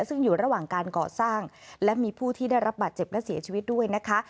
ซึ่งอยู่ระหว่างการก่อสร้างและมีผู้ที่ได้รับบาดเจ็บและเสียชีวิตด้วยนะคะ